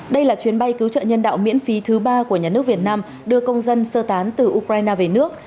đây là chuyến bay cứu trợ nhân đạo miễn phí thứ ba của nhà nước việt nam đưa công dân sơ tán từ ukraine về nước